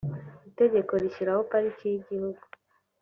itegeko rishyiraho pariki y’ igihugu’